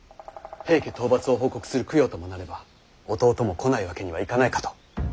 平家討伐を報告する供養ともなれば弟も来ないわけにはいかないかと。